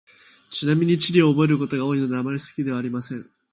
ちなみに、地理は覚えることが多いので、あまり好きではありません。